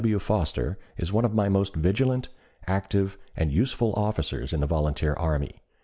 W. Foster is one of the most vigilant, active, and useful officers in the volunteer army.